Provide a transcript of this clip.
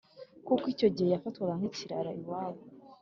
kuko icyo gihe yafatwaga nkikirara iwabo